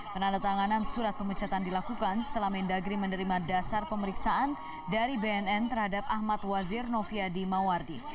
penandatanganan surat pemecatan dilakukan setelah mendagri menerima dasar pemeriksaan dari bnn terhadap ahmad wazir noviadi mawardi